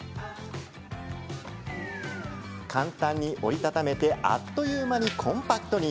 簡単に折り畳めてあっという間にコンパクトに。